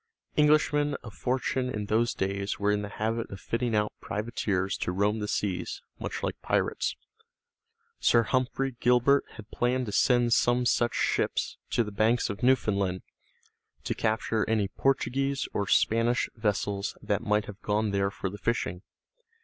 Englishmen of fortune in those days were in the habit of fitting out privateers to roam the seas, much like pirates. Sir Humphrey Gilbert had planned to send some such ships to the banks of Newfoundland to capture any Portuguese or Spanish vessels that might have gone there for the fishing.